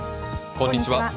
こんにちは。